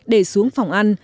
để xuống phòng ăn